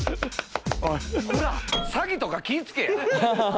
詐欺とか気ぃつけや！